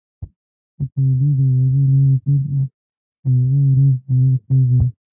که تر دې دروازې لاندې تېر شي هماغه ورځ مړ کېږي.